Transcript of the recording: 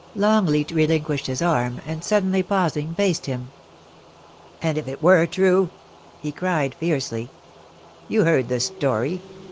Longleat relin quished his arm, and suddenly pausing, faced him. ' And if it were true !' he cried fiercely. ' You heard the story.